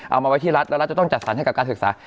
เอามาไว้ที่รัฐแล้วรัฐจะต้องจัดสรรให้กับการศึกษา